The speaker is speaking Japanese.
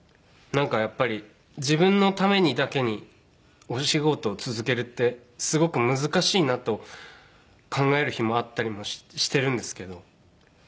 なんかやっぱり自分のためにだけにお仕事を続けるってすごく難しいなと考える日もあったりもしてるんですけど。